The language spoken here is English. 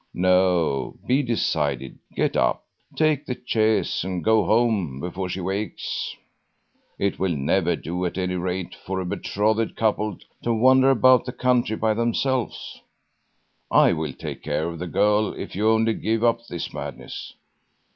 No, be decided, get up, take the chaise and go home before she wakes. It will never do at any rate for a betrothed couple to wander about the country by themselves. I will take care of the girl if you only give up this madness.